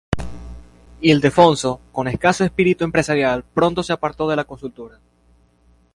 Ildefonso, con escaso espíritu empresarial pronto se apartó de la constructora.